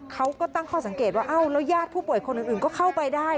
เขาก็ตั้งข้อสังเกตว่าแล้วญาติผู้ป่วยคนอื่นก็เข้าไปได้